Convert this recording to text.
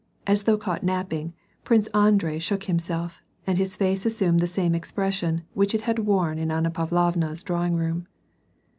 As though caught napping, Prince Andrei shook him self, and his face assumed the same expression which it had worn in Anna Pavlovna's drawing room.